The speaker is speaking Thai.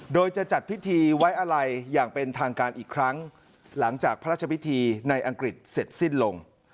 โดยจะจัดพิธีไว้อะไรอย่างเป็นทางการอีกครั้งหลังจากพระราชพิธีในอังกฤษเสร็จสิ้นลง